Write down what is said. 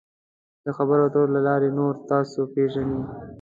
د خبرو اترو له لارې نور تاسو پیژني.